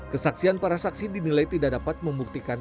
kesaksian para saksi dinilai tidak dapat membuktikan